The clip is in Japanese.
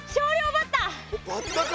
バッタか。